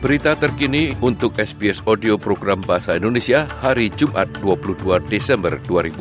berita terkini untuk sbias audio program bahasa indonesia hari jumat dua puluh dua desember dua ribu dua puluh